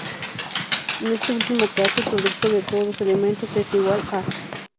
En este último caso, el producto de todos los elementos es igual "a".